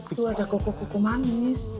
itu ada kokoh kuku manis